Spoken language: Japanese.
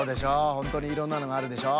ほんとにいろんなのがあるでしょ。